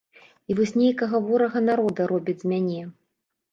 І вось нейкага ворага народа робяць з мяне.